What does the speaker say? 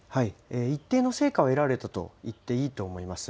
一定の成果は得られたと言っていいと思います。